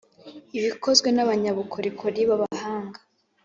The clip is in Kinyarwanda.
Ibikozwe n’abanyabukorikori b’abahanga,